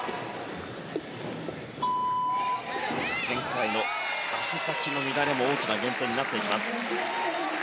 旋回の足先の乱れも大きな減点になっていきます。